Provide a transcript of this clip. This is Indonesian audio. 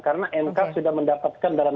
karena mk sudah mendapatkan dalam